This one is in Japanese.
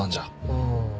ああ。